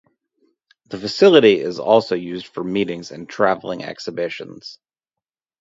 The facility is also used for meetings and traveling exhibitions.